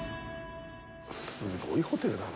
すごいホテルだな。